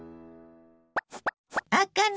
あかね